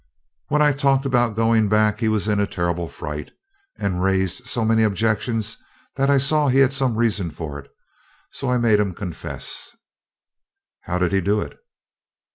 'When I talked about going back he was in a terrible fright, and raised so many objections that I saw he had some reason for it; so I made him confess.' 'How did he do it?'